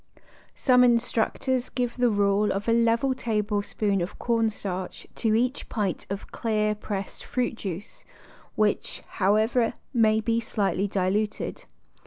Some instructors give the rule of a level table spoon of cornstarch to each pint of clear, pressed fruit juice, which, however, may be slightly diluted.